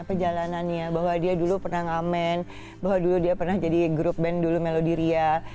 perjalanannya bahwa dia dulu pernah ngamen bahwa dulu dia pernah jadi grup band dulu melodiria